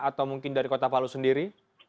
atau mungkin dari kota palu sendiri